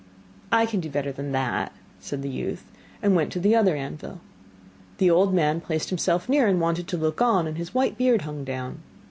'I can do better than that,' said the youth, and went to the other anvil. The old man placed himself near and wanted to look on, and his white beard hung down.